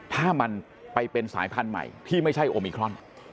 ถ้ามันไปเป็นสายพันธุ์ใหม่ที่ไม่ใช่โอมิครอน